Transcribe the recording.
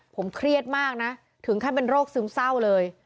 ผมเครียดมากนะถึงขั้นเป็นโรคซึมเศร้าเลย